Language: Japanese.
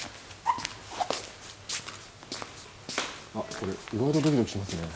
あっこれ意外とドキドキしますね。